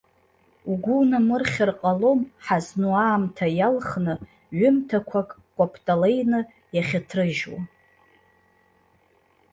Угәы унамырхьыр ҟалом, ҳазну аамҭа иалхны ҩымҭақәак кәапталеины иахьҭрыжьуа.